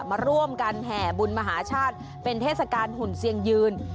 มาร่วมกันแห่บุญมหาชาติเป็นเทศกาลหุ่นเซียงยืน